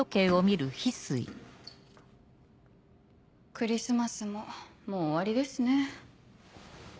クリスマスももう終わりですね。